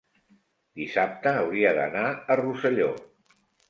dissabte hauria d'anar a Rosselló.